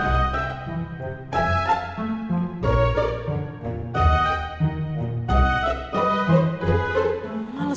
lalu kita berdua berdua berdua